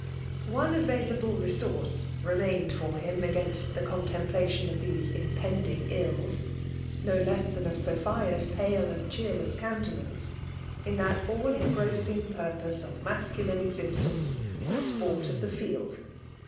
One available resonrce remained for him against the contemplation of these impending ills, no less than of Sophia's pale and cheer less countenance— in that all engrossing pur pose of masculine existence — the sports of the field.